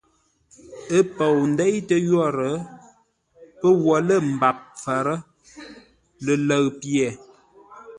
Ə́ pou ndeitə́ yórə́, pə́ wo lə̂ mbap mpfarə́, lələʉ pye.